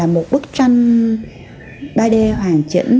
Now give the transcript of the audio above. một bức tranh ba d hoàn chỉnh